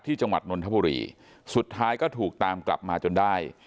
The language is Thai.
จังหวัดนนทบุรีสุดท้ายก็ถูกตามกลับมาจนได้